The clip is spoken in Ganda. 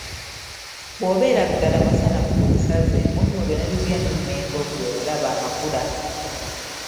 "Bw’obeera Lugala Masanafu ku Lusaze, Mutundwe ne Lubya n’eMengo ggwe olaba amakula."